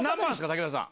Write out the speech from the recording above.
武田さん。